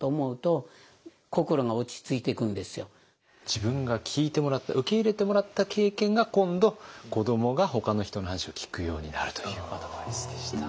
自分が聞いてもらった受け入れてもらった経験が今度子どもがほかの人の話を聞くようになるというアドバイスでした。